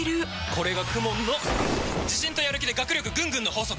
これがＫＵＭＯＮの自信とやる気で学力ぐんぐんの法則！